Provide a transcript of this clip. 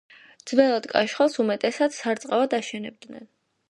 ძველად კაშხალს უმეტესად სარწყავად აშენებდნენ.